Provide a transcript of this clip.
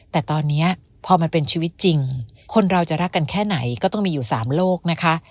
แต่ตอนนี้พอมันเป็นชีวิตจริงคนเราจะรักกันแค่ไหนก็ต้องมีอยู่๓โลกนะคะ